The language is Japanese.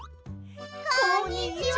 こんにちは！